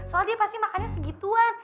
soalnya pasti makannya segituan